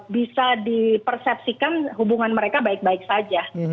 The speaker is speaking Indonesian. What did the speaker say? bisa dipersepsikan hubungan mereka baik baik saja